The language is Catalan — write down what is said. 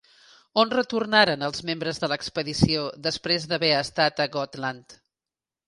On retornaren els membres de l'expedició després d'haver estat a Gotland?